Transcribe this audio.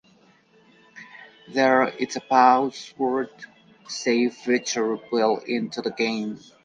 There is a password save feature built into the game.